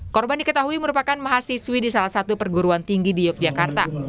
korban diketahui merupakan mahasiswi di salah satu perguruan tinggi di yogyakarta